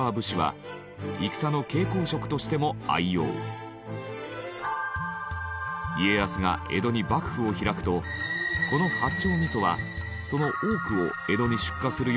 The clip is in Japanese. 家康率いる家康が江戸に幕府を開くとこの八丁味噌はその多くを江戸に出荷するようになり